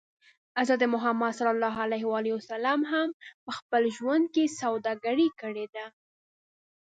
حضرت محمد ص هم په خپل ژوند کې سوداګري کړې ده.